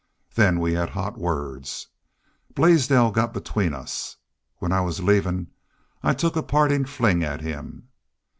Then we had hot words. Blaisdell got between us. When I was leavin' I took a partin' fling at him.